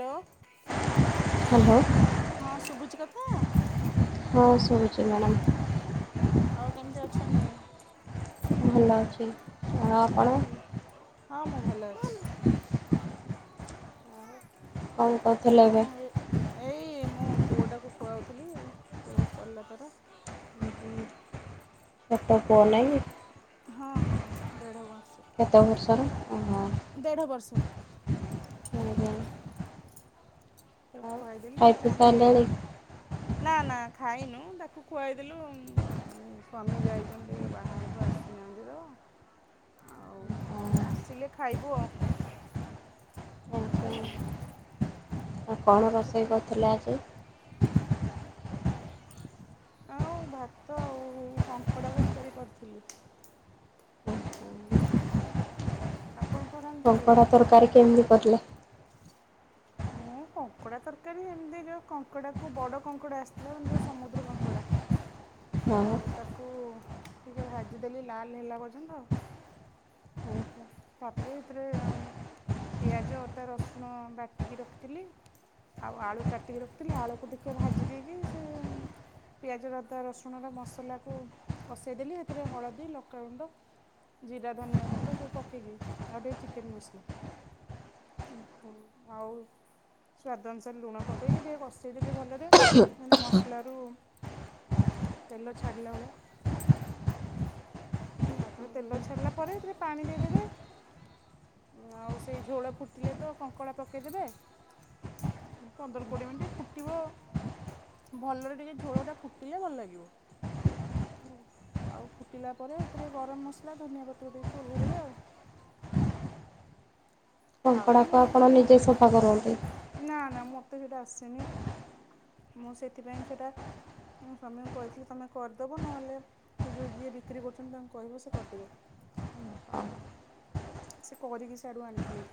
Hello. Hello ହଁ ଶୁଭୁଛି କଥା ହଁ ଶୁଭୁଛି ମ୍ୟାଡ଼ାମ। ଆଉ କେମିତି ଅଛନ୍ତି? ଭଲ ଅଛି ଆଉ ଆପଣ? ହଁ ମୁଁ ଭଲ ଅଛି। କଣ କରୁଥିଲେ ମୁଁ ଏବେ? ଏ ଏଇ ମୁଁ ପୁଅଟାକୁ ଖୋଆଉଥିଲି ଏ ଚାଲିଲା ତାର। ଚାରିଟା ପୁଅ ନାଇଁକି? ହଁ ହଁ କେତେ ବର୍ଷର? ଓହୋ ଆଉ ଦେଢ ବର୍ଷ। ତାକୁ ଖୁଆଇଦେଲି ଖାଇ ତାପରେ ପିଇ ସାରିଲେଣି? ଆମେ ଖାଇନୁ ତାକୁ କୁଆଇଦେଲୁ ସ୍ୱାମୀ ଯାଇଛନ୍ତି ବାହାରକୁ ଆସିନାହାନ୍ତି ତ ଆଉ ଆସିଲେ ଖାଇବୁ ଆଉ। [inaudible] କଣ ଆଉ ରୋଷେଇ ସେଥି କରିଥିଲେ ଆଜି? [inaudible] ଆଉ ଭାତ ଆଉ କଙ୍କଡ଼ା ତରକାରୀ କରିଥିଲି। ଆପଣ କଣ ରାନ୍ଧିଥିଲେ କଙ୍କଡ଼ା ଆଜି? ତରକାରୀ କେମିତି କରିଲେ? ମୁଁ। କଙ୍କଡ଼ା ତରକାରୀ ଏମିତି ଯୋଉ କଙ୍କଡ଼ା କୁ ବଡ଼ କଙ୍କଡ଼ା ଆସିଥିଲା ଯୋଉ ସମୁଦ୍ର କଙ୍କଡ଼ା। ହଁ ଆଉ ତାକୁ ଟିକେ ଭାଜିଦେଲି ଲାଲ ହେଲା ପର୍ଯ୍ୟନ୍ତ। ତାପରେ ଏଥିରେ ପିଆଜ ଅଦା ରସୁଣ ବାଟିକି ରଖିଥିଲି। ଆଉ ଆଳୁ କାଟିକି ରଖିଥିଲି ଆଳୁକୁ ଟିକେ ଭାଜି ଦେଇକି ସେ ପିଆଜର ରସୁଣର ମସଲାକୁ କଷେଇଦେଲି ସେଥିରେ ହଳଦୀ ଲକାଗୁଣ୍ଡ ଜିରା ଧନିଆ ଗୁଣ୍ଡ ସବୁ ପକେଇକି ଆଉ ଟିକେ ଚିକେନ ମସଲା ଆଉ ସ୍ଵାଦ ଅନୁସାରେ ଲୁଣ ପକେଇକି ଟିକେ କଷେଇଦେଲି ଭଲରେ ମାନେ ମସଲାରୁ ତେଲ ଛାଡି ଲା ଭଳିଆ ତାପରେ ତେଲ ଛାଡିଲା ପରେ ସେଥିରେ ପାଣି ଦେଇଦେବେ ଆଉ ସେଇ ଝୋଳ ଫୁଟିଲେ ତ କଙ୍କଡ଼ା ପକେଇଦେବେ ପନ୍ଦର କୋଡିଏ ମିନିଟ୍ ଫୁଟିବ ଆ ଭଲରେ ଟିକେ ଝୋଳ ଟା ଫୁଟିଲେ ଭଲ ଲାଗିବ ଆଉ ଫୁଟିଲା ପରେ ଥିରେ ଗରମ ମସଲା ଧନିଆ ପତ୍ର ଦେଇକି ଓହ୍ଲେଇଦବେ ଆଉ ଆଉ ମୁଁ କଙ୍କଡ଼ାକୁ ଆପଣ ନିଜେ ସଫା କରନ୍ତି ମତେ ସେଟା ଆସନି ମୁଁ ସେଥିପାଇଁ ସେଟା ମୁଁ ସ୍ୱାମୀଙ୍କୁ କହିଥିଲି ତମେ କରିଦବ ନହେଲେ ସେ ଯୋଉ ଯିଏ ବିକ୍ରି କରୁଛନ୍ତି ତାଙ୍କୁ କହିବ ସେ କରିଦେବେ ହ ସେ କରିକି ସେଆଡୁ ଆଣିଥିଲେ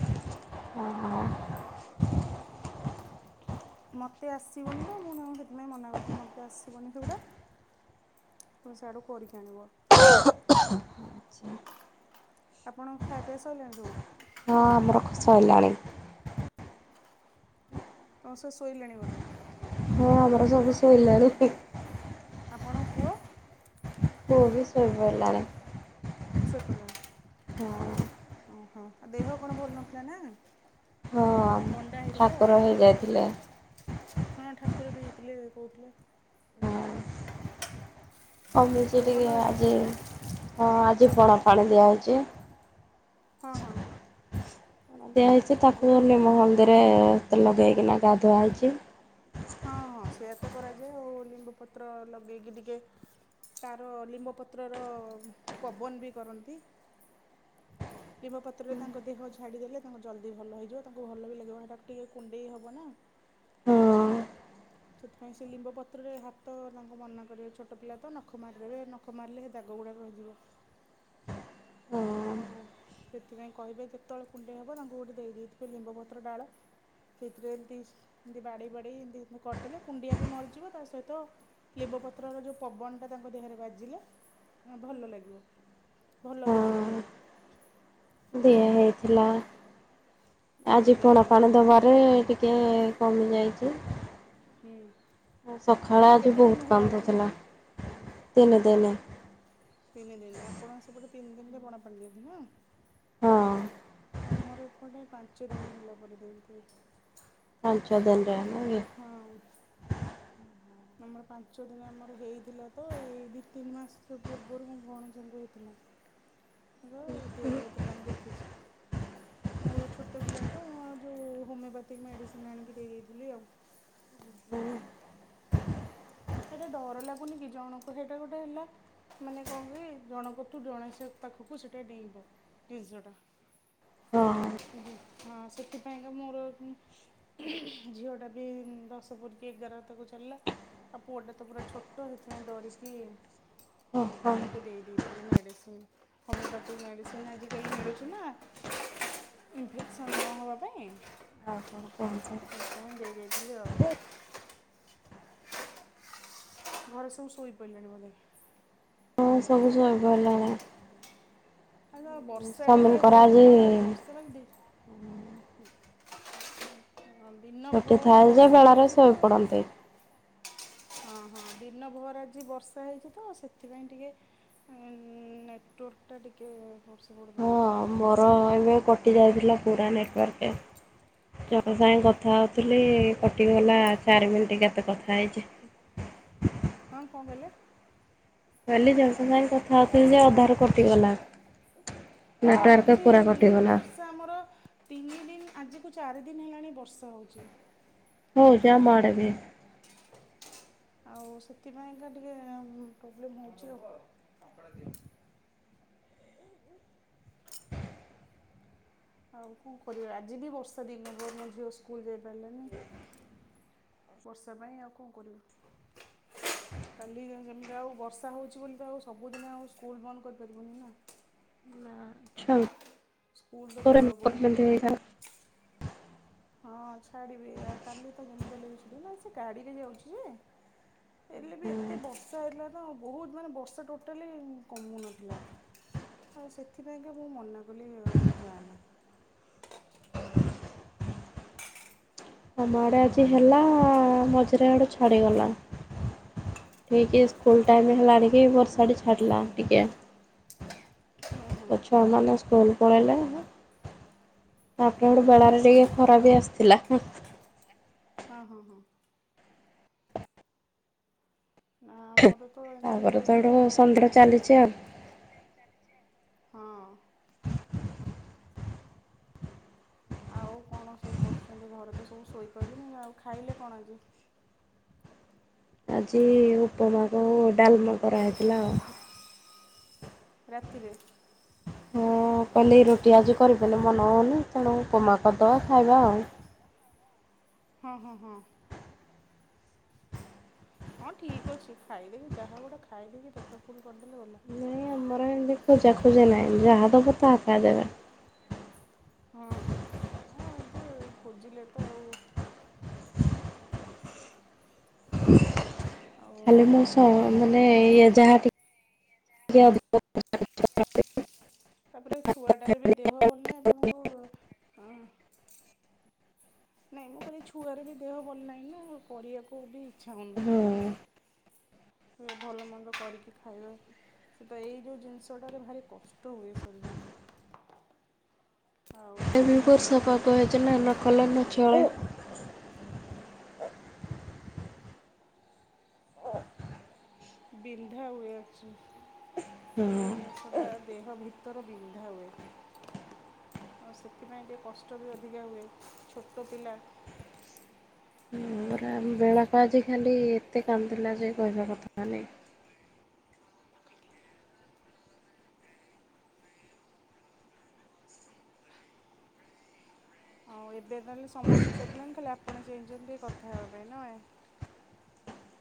[inaudible] ମତେ ଆସିବନି ତ ମୁଁ ନାଁ ସେଥିପାଇଁ ମନା କରିଥିଲି ମତେ ଆସିବନି ସେଗୁଡା ହ ସେୟାଡୁ କରିିକି ଆଣିବ ଆଚ୍ଛା। ଆପଣ ଖାଏପିଆ ସଇଲାନ୍ତୁ ହଁ ଆମର ଖସ ହେଲାଣି ତ ସ ସୋଇ ଲେଣି ବଧେ ହଁ ଆମର ସବୁ ଶୋଇଲନି ଆପଣ ପୁଅ ସେବି ଶୋଇ ପଡ଼ିଲାଣି ଶୋଇପଡିଲେଣି ହଁ ଓହୋ ଆଉ ଦେହ କଣ ଭଲ ନଥିଲା ନା ହଁ ଥଣ୍ଡା ହେଇଥିଲା ଠାକୁର ହେଇଯାଇଥିଲେ ହଁ ଠାକୁର ବି ହେଇଥିଲେ କହୁଥିଲେ ହ ମିିଛି ଆଉ ଭଲ ଟିକେ ଅଛନ୍ତି ଆଜି ହଁ ଆଜି ଫଣା ପାଣି ଦିଆହଉଛି ହଁ ହଁ ସେଆ ହେଇଛି ତାକୁ ଏବେ ନିମ ହଳଦୀରେ ଲଗେଇକିନା ଗାଧୁଆ ହେଇଛି ହଁ ହଁ ସେଇୟା ତ କରାଯାଏ ଆଉ ଲିମ୍ବ ପତ୍ର ଲଗେଇକି ଟିକେ ତାର ନିମ ପତ୍ରର ପବନ ବି କରନ୍ତି। ନିମ ପତ୍ରରେ ତାଙ୍କ ଦେହ ଝାଡ଼ି ଦେଲେ ତାଙ୍କୁ ଜଲ୍ଦି ଭଲ ହେଇଯିବ ତାଙ୍କୁ ଭଲ ବି ଲାଗିବ ସେଟାକୁ ଟିକେ କୁଣ୍ଡେଇ ହବ ନା [inaudible] ହଁ ସେଥିପାଇଁ ସେ ଲିମ୍ବ ପତ୍ରରେ ହାତ ତାଙ୍କ ମନା କରିବ ଛୋଟ ପିଲା ତ ନଖ ମାରିଦେବେ ନଖ ମାରିଲେ ହେ ଦାଗ ଦାଗ ରହିଯିବ ହଁ ଆଉ ସେଥିପାଇଁ କହିବେ ଯେତେବେଳେ କୁଣ୍ଡେଇ ହେବ ତାଙ୍କୁ ଗୋଟେ ଦେଇ ଦେଇଥିବେ ଲିମ୍ବପତ୍ର ଡାଳ ସେଥିରେ ଏମତି ଏମତି ବାଡି ବାଡି ଏମତିତି କରିଦେଲେ କୁଣ୍ଡିଆ ବି ମରିଯିବ ତା ସହିତ ନିମ ପତ୍ରର ଯୋଉ ପବନଟା ତାଙ୍କ ଦେହରେ ବାଜିଲେ ଭଲ ଲାଗିବ। ଭଲ ହଁ ହେଇଯିବ ଜଲ୍ଦି ଦିଆ ହେଇଥିଲା ହଁ ଆଜି ପଣା ଦେଇଛନ୍ତି ନା ପାଣି ଦବାରେ ଟିକେ ଟିକେ କମିଯାଇଛି ହୁଁ ସକାଳେ ଆଜି କେତେ ଦିନ ବହୁତ ହେଲା ଆଜିକୁ କାନ୍ଦୁଥିଲା କି ଦିନେ ଦିନେ ତିନି ଦିନ ଆପଣ ସେପଟେ ତିନି ଦିନରେ ପଣା ପାଣି ଦିଅନ୍ତି ନା ହଁ ଆମର ଏପଟେ ପାଞ୍ଚ ଦିନ ଭଲ ପଡିଯାଇଛି ପାଞ୍ଚ ଦିନ ରହେ ନା ନା କି ଆମର ପାଞ୍ଚ ଦିନ ଆମର ହେଇଥିଲା ତ ଏଇ ଦି ତିନି ମାସ ପୂର୍ବରୁ ମୋ ଭଉଣୀ ଙ୍କୁ ହେଇଥିଲା। ମୁଁ ଇଏ ହେଇଥିଲା ମୁଁ ଦେଖିଛି। ମୋର ଛୋଟ ପିଲା ତ ଯଉ ହୋମିଓପାଥିକ ମେଡ଼ିସିନ ଆଣିକି ଦେଇ ଦେଇଦେଇ ଥିଲି ଆଉ ହୁଁ। ସେଇଟା ଡର ଲାଗୁନି କି ଜଣକୁ ସେଇଟା ଗୋଟେ ହେଲା ମାନେ କଣ କି ଜଣକ ତ୍ଠୁ ଜଣେ ସେ ପାଖକୁ ସେଇଟା ଡେଇଁବ ଜିନିଷ ଟା। ହଁ ହଁ ସେଥିପାଇଁକା ମୋର ଝିଅ ଟା ବି ଦଶ ପୁରିକି ଏଗାର ତାକୁ ଚାଲିଲା। ଆଉ ପୁଅଟା ତ ପୁରା ଛୋଟ ହେଇଥିପାଇ ଡରିକି ଓ ହୋ। ହେ ମେଡ଼ିସିନ ହୋମିଓପାଥି ମେଡ଼ିସିନ୍ ଆଜିକାଲି ମିଳୁଛି ନା ଇନଫେକ୍ସନ୍ ନ ହେବା ପାଇଁ। ଓ ହୋ କହୁଛି ସେଥିପାଇଁ ଦେଇ ଦେଇଥିଲି ଆଉ [unintelligible] ଘର ସବୁ ସୋଇ ପଇିଲେଣି ବୋଧେ? ହଁ ସବୁ ସୋଇପଡିଲେଣି। ଆଲୋ ବର୍ଷା ଟିକେ ହଉଛି ଆଜି ତ ବର୍ଷା ମାନେ ଧି ଛୁଟି ଥାଏ ଯେ ବର୍ଷା ବେଳାରେ ହେଇଛି ତ ଶୋଇପଡନ୍ତେ। ହଁ ହଁ ଦିନ ଭର ଆଜି ବର୍ଷା ହେଇଛି ତ ସେଥିପାଇଁ ଟିକେ ଉ-ଉ-ଉ ନେଟୱାର୍କ ଟା ଟିକେ ଏପଟ ସେପଟ ହଉଛି। ଆଉ ମୋର ଇଏ କଟିଯାଇଥିଲା ପୁରା ନେଟୱାର୍କ। ଜଣକ ସାଙ୍ଗେ କଥା ହଉଥିଲି କଟି ଗଲା ଚାରି ମିନିଟ କେତେ କଥା ହେଇଛି। ହଁ କଣ କହିଲେ? କହିଲେ ଯେମିତି ସେମିତି ଭାବରେ କଥା ହେଇଯିବା ଯେ ଅଧାରୁ କଟିଗଲା। ହଁ ନେଟୱାର୍କ ସେ ପୁରା କଟିଗଲା ବର୍ଷା ଆମର ତିନି ଦିନ ଆଜି ଆଜିକୁ ଚାରି ଦିନ ହେଲାଣି ବର୍ଷା ହେଉଛି। ହଉଛି ଆମ ଆଡେ ବି। [unintelligible] ଆଉ ସେଥିପାଇଁକା ଟିକ-ଏ-ଏ ପ୍ରୋବ୍ଲେମ ହଉଛି ଆଉ। ଆଉ କଣ କରିବା ଆଜି ବି ବର୍ଷା ଦିନ ଭର ମୋ ଝିଅ ସ୍କୁଲ ଯାଇପାରିଲାନି। ବର୍ଷା ପାଇଁ ଆଉ କଣ କରିବୁ। କାଲି ଯେ ଯେମିତି ଆଉ ବର୍ଷା ହେଉଛି ବୋଲି ତ ଆଉ ସବୁଦିନ ସ୍କୁଲ ବନ୍ଦ କରିପାରିବୁନି ନା।? ସ୍କୁଲ ତ ପୂରା [unintelligible] ଯିବାକୁ ପଡ଼ିବ ହେଇଥାନ୍ତା ହଁ ଛାଡିବି ଆଉ କାଲି ତ ଯେମିତି ହେଲେ ବି ଜିବ ସେ ଗାଡିରେ ଯାଉଛି ଯେ। ହେଲେ ବି ଏତେ ବର୍ଷା ହେଇଥିଲା ତ ବହୁତ ମାନେ ବର୍ଷା ଟୋଟାଲି କମୁନଥିଲା। ଆଉ ସେଥିପାଇଁକା ମୁଁ ମନା କଲି ଆଉ ଯାଆନା। ଆମ ଆଡ଼େ ଆଜି ହେଲା-ଆ-ଆ-ଆ ମଝିରେ ଇଆଡୁ ଛାଡ଼ିଗଲା। ଠିକ ଏ ସ୍କୁଲ ଟାଇମ ହେଲାନି ବର୍ଷାଟି ଛାଡ଼ିଲା ଟିକେ। ତ ଛୁଆମାନେ ସ୍କୁଲ ପଳେଇଲେ। ତାପରେ ଗୋଟେ ବେଳାରେ ଯାଇ ଟିକେ ଖରା ବି ଆସିଥିଲା। ହଁ ହଁ ହଁ। ନା ଆମର ତ ଏମିତି ତାପରେ ତ ଏଠୁ ହେଇଥିଲା ଆଉ ସନ୍ଧ୍ୟା କଣ ଚାଲିଛି କରିବ। ଆଉ ହଁ। ଆଉ କଣ ସବୁ କରୁଛନ୍ତି। ଘରେ ତ ସବୁ ଶୋଇପଡ଼ିଲେଣି ଆଉ। ଖାଇଲେ କଣ ଆଜି?? ଆଜି ଉପମା କୁ ଡାଲେମା କରାହେଇଥିଲା ଆଉ। ରାତିରେ କହିଲେ ରୁଟି ଆଜି କରିଗଲେ ମନେ ହେଉନି ତେଣୁ ଉପମା କରିଦେବା ଖାଇବା ଆଉ। ହଁ ହଁ ହଁ। ହଁ ଠିକ ଅଛି। ଖାଇଦେଇକି ଯାହା ଗୋଟେ ଖାଇଦେଇକି ପେଟ ପୁରେଇବା। ନାହିଁ ଆମର ହେନ୍ତି ଖୁଜାଖୁଜି ନାହି ଯାହାଦବ ତାହା ଖାଇଦେବେ। ହଁ ହଁ ଖୋଜିଲେ ତ ଆଉ ଆଉ ଖାଲି ମୋ ସହ ନା ଏମାନେ ଇଏ ଜାହାଟି [unintelligible] ତାପରେ ଛୁଆଟାର ବି ଦେହ ଭଲ ନାହିଁ। ଆପଣଙ୍କୁ ହ ନାଇଁ ମୁଁ କହିଲି ଛୁଆର ବି ଦେହ ଭଲ ନାହିଁ ନା କରିବାକୁ ବି ଇଚ୍ଛା ହଁ ହେଉନଥିବ। ଭଲ ମନ୍ଦ କରିକି ଖାଇବାକୁ ସେଇତ ଏଇ ଯୋଉ ଜିନିଷଟାରେ ଭାରି କଷ୍ଟ ହୁଏ ଶରୀରକୁ ଆଉ ବିନ୍ଧା ଏବେବର୍ଷା ପାାଗ ହେଇଥିଲା ନ କଲେ ନ ଚଳେ। ବିନ୍ଧା ହୁଏ ଅଛି। ହଁ ସୂର୍ଯ୍ୟାସ୍ତ ତା ଦେହ ଭିତର ବିନ୍ଧା ହୁଏ। ଆଉ ସେଥିପାଇଁ ଟିକେ କଷ୍ଟ ବି ଅଧିକ ହୁଏ। ଛୋଟ ପିଲା ବେଳାକଆଜି ଖାଲି ଏତେ କାନ୍ଦିଲା ଯେ କହିବା କଥା ନାହିଁ। ଆଉ ଏବେ ତାହେଲେ ସମସ୍ତେ ସୋଇଛନ୍ତି। ଖାଲି ଆପଣ ଚେଂଇଛନ୍ତି କଥା ହେବା ପାଇଁ ନୁହେଁ?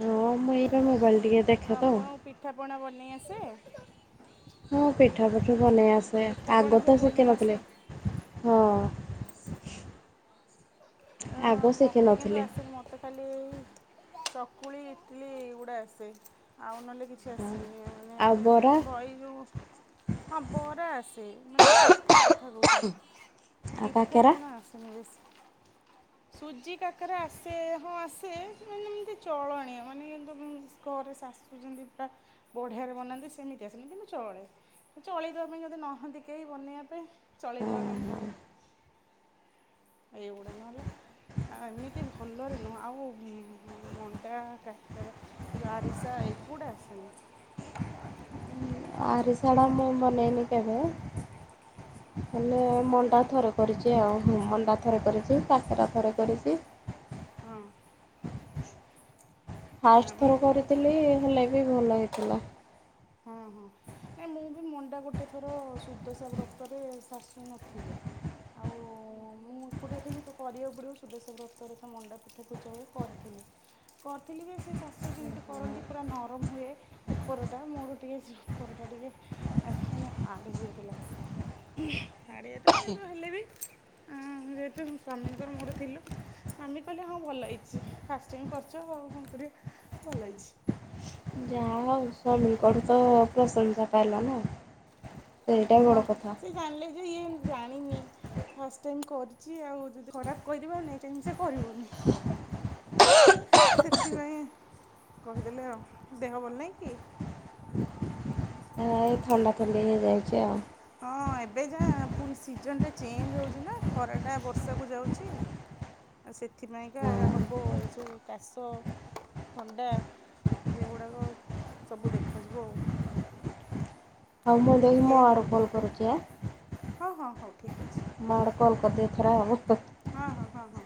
ହଁ ମୁଁ ଏଇନା ମୋବାଇଲ ଟିକେ ଦେଖେ ତ ସେ ହଁ ପିଠା ପୁଠୁ ବନେଇ ଆସେ ଆଗ ସବୁ ତ ଶିଖୀ ବନେଇ ଆସେ ନଥିଲି ହଁ। ଆ ଆଗ ମୋତେ କିନ୍ତୁ ଶିଖିନଥିଲି ଆସେ ମୋତେ ଖାଲି ଏଇ ଚକୁଳି ଇଟଲି ଏଇଗୁଡା ଖାଲି ଆସେ। ଆଉ ନହେଲେ କିଛି ଆସେ ନି। ମାନେ ଆଉ ବରା ବହି ଯେଉଁ ହଁ ବରା ଆସେ ମାନେ ପିଠା ପିଠା କଥା କହୁଥିଲି ଆଉ ପିଠା କାକେରା ପଣା ଆସେନି ବେଶି। ? ସୁଜି କାକେରା ଆସେ ହଁ ଆସେ ମାନେ ଏମିତି ଚଳନିଅ ମାନେ କିନ୍ତୁ ଶ କରେ ସା ସୁଜି ଯନ୍ତା ପୁରା ବଢିଆରେ ବନାନ୍ତି ସେମିତି ଆ ସେମିତି ନା ଚଳେ। ଚଳେଇଦବା ପାଇଁ ଯଦି ନହାନ୍ତି କେହି ବନେଇବା ପାଇଁ ଚଳିଇଦବା କାମ ଏଗୁଡା ନୁହେଁଲେ ଏମିତି ଭଲରେ ନୁହଁ ଆଉ ମଣ୍ଡା କାକେରା ରାଇଜ ଆରିସା କୁକୁଡ଼ା ଆସେନି। ଆରିଶାଟା ମୁଁ ବନେଇନି କେବେ ମାନେ ମଣ୍ଡା ଥରେ କରିଛି ଆଉ। ହଁ ମଣ୍ଡା ଥରେ କରିଛି କକେରା ଥରେ କରିଛି। ହଁ। ଫାଷ୍ଟ ଥର ମୋତେ କରିଥିଲି ହେଲେ ବି ଭଲ ହେଇଥିଲା। ହଁ ହଁ। ନାଇଁ ମୁଁ ବି ମଣ୍ଡା ଗୋଟେ ଥର ସୁଦଶା ବ୍ରତରେ ଶାଶୁ ନଥିଲେ ଆଉ ମୁଁ ଏକୁଟିଆ ଥିଲି ତ କରିବାକୁ ପଡିବ। ସୁଦଶା ବ୍ରତରେ ତ ମଣ୍ଡାପିଠା ପୂଜାହୁଏ କରିଥିଲି। କରିଥିଲି ବି ସେ ଶାଶୁ ଯେମତି କରନ୍ତି ପୁରା ନରମ ହୁଏ ଉପର ଟା ମୋର ଟିକେ ଉପରଟା ଟିକେ ଆକ୍ଟୁଆଲି ପାଣି ହେଇଗଲା। ଛାଡି ଯାଇଥିଲା କିନ୍ତୁ ହେଲେ ବି, ଆଁ ଯେହେତୁ ସ୍ଵାମୀଙ୍କର ମୋର ଥିଲୁ ସ୍ବାମୀ କହିଲେ ହଁ ଭଲ ହେଇଛି। ଫାଷ୍ଟ ଟାଇମ କରିଚ ଆଉ କଣ କରିବ ଭଲ ହେଇଛି। ଯାହା ହଉ ସ୍ୱାମୀଙ୍କର ତ ପ୍ରଶଂସା ପାଇଲ ନା। ସେଇଟା ହଁ ବଡ଼ କଥା। ସେ ଜାଣିଲେ ଯେ ଇଏ ଜାଣିନି, ଫାଷ୍ଟ ଟାଇମ କରିଛି ଆଉ ଯଦି ଖରାପ କହିଦେବା ଆଉ ନେକ୍ସଟ୍ ଟାଇମ ସେ କରିବନି। ସେଥିପାଇଁ କହିଦେଲେ ଆଉ। ଦେହ ଭଲ ନାହିଁ କି? ନାଇଁ ଥଣ୍ଡା ଥଣ୍ଡି ହେଇଯାଇଛି ଆଉ। ହଁ ଏବେ ଯାହା ପୁଣି ସିଜନଟା ଚେଞ୍ଜ ହଉଛି ନା ଖରାଟା ବର୍ଷାକୁ ଯାଉଛି। ଆ ସେଥିପାଇଁକା ହଁ ହବ ଏସବୁ କାଶ ଥଣ୍ଡା ଏଗୁଡ଼ାକ ସବୁ ଦେଖାଯିବ ଆଉ। ହଉ ମୁଁ ଦେଖି, ଟିକେ ମୋ ଆଡ଼ୁ କଲ୍ କରୁଛି ଆ ହଁ ହଁ ହଉ ଠିକ୍ ଅଛି। ମୋ ଆଡୁ କଲ କରିଦିଏ ଥରେ ଆଉ ହଁ ହଁ ହଁ ହଁ।